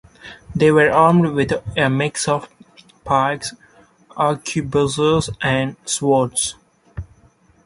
They were armed with a mix of pikes, arquebuses and swords.